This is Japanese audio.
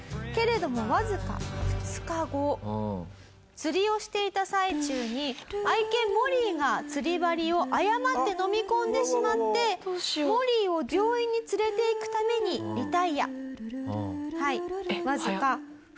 釣りをしていた最中に愛犬モリーが釣り針を誤ってのみ込んでしまってモリーを病院に連れていくためにリタイア。